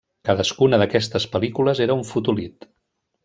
Cadascuna d'aquestes pel·lícules era un fotolit.